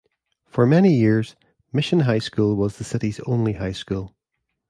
For many years, Mission High School was the city's only high school.